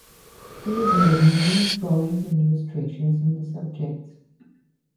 He has made numerous drawings an illustrations on the subjects.